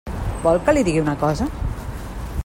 Vol que li digui una cosa?